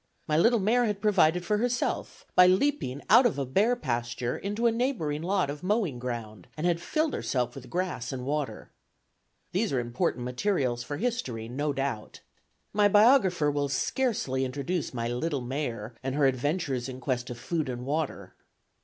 My little mare had provided for herself, by leaping out of a bare pasture into a neighboring lot of mowing ground, and had filled herself with grass and water. These are important materials for history, no doubt. My biographer will scarcely introduce my little mare and her adventures in quest of food and water.